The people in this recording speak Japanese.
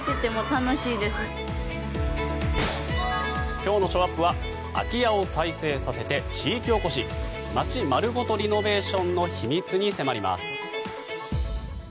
今日のショーアップは空き家を再生させて地域おこし街丸ごとリノベーションの秘密に迫ります。